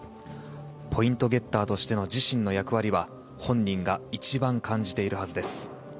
ポイントゲッターとしての自身の役割は本人が一番感じているはずです。